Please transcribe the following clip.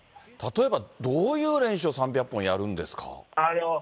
例えばどういう練習を３００本やるんですか。